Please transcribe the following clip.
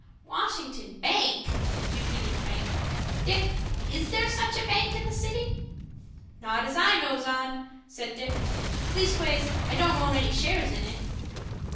"Washington Bank!" repeated Frank. "Dick, is there such a bank in the city?" "Not as I knows on," said Dick. "Leastways I don't own any shares in it."